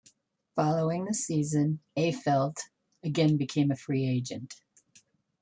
Following the season, Affeldt again became a free agent.